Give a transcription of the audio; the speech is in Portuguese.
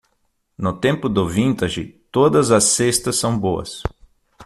No tempo do vintage, todas as cestas são boas.